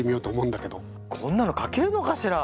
こんなの描けるのかしら。